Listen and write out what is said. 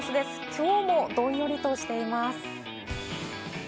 今日もどんよりとしています。